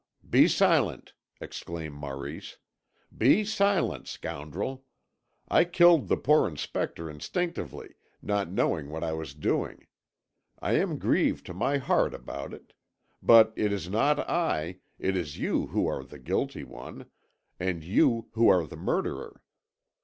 "Be silent," exclaimed Maurice, "be silent, scoundrel! I killed the poor Inspector instinctively, not knowing what I was doing. I am grieved to my heart about it. But it is not I, it is you who are the guilty one; you who are the murderer.